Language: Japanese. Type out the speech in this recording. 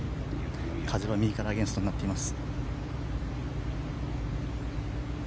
風は右からアゲンストになっています。